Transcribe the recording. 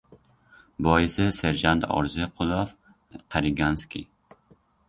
Boisi, serjant Orziqulov qariganskiy!